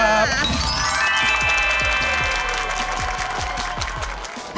อ๋อสวัสดีค่ะ